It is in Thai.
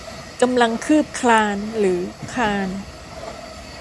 กำลังคืบคลานหรือคลาน